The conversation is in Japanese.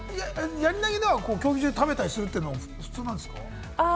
やり投げの競技中に食べたりするというのは普通なんですか？